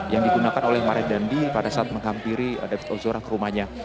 yang digunakan oleh mario dandi pada saat menghampiri david ozora ke rumahnya